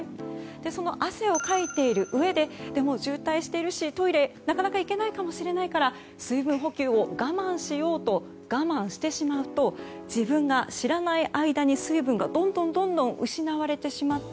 その汗をかいているうえででも渋滞しているしトイレになかなか行けないかもしれないから水分補給を我慢しようと我慢してしまうと自分が知らない間に水分がどんどん失われてしまって